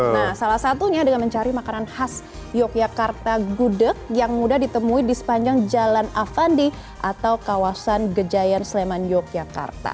nah salah satunya dengan mencari makanan khas yogyakarta gudeg yang mudah ditemui di sepanjang jalan avandi atau kawasan gejayan sleman yogyakarta